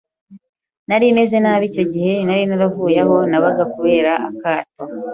nari meze nabi icyo gihe nari naravuye aho nabaga kubera akato